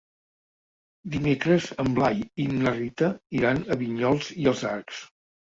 Dimecres en Blai i na Rita iran a Vinyols i els Arcs.